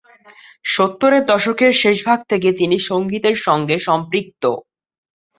সত্তরের দশকের শেষভাগ থেকে তিনি সঙ্গীতের সঙ্গে সম্পৃক্ত।